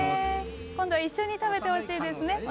今度は一緒に食べてほしいですね